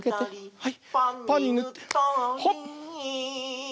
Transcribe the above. はい。